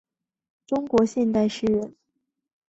中国现代诗人。